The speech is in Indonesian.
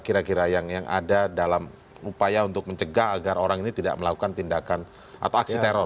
kira kira yang ada dalam upaya untuk mencegah agar orang ini tidak melakukan tindakan atau aksi teror